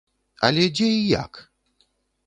Але дзе й як?